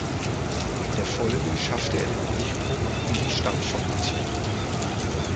In der Folge schaffte er den Durchbruch in die Startformation.